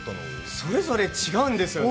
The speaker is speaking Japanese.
それぞれ違うんですよね。